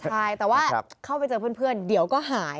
ใช่แต่ว่าเข้าไปเจอเพื่อนเดี๋ยวก็หาย